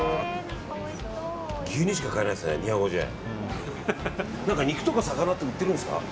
牛乳しか買えないですね２５０円。